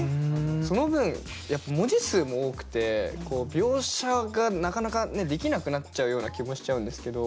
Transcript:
その分やっぱ文字数も多くて描写がなかなかねできなくなっちゃうような気もしちゃうんですけど。